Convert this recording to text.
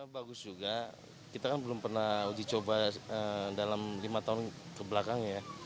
bagus juga kita kan belum pernah uji coba dalam lima tahun kebelakang ya